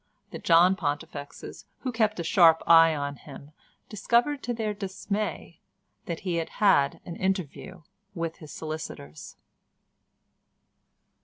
The John Pontifexes, who kept a sharp eye on him, discovered to their dismay that he had had an interview with his solicitors.